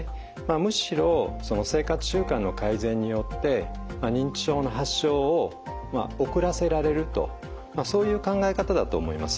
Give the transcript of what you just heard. むしろその生活習慣の改善によって認知症の発症を遅らせられるとまあそういう考え方だと思います。